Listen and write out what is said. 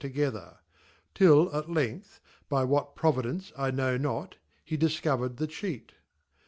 together ; till at length^iyjphat prov/Jence Lbtovo not, he dif covered the Cheat.